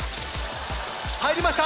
入りました！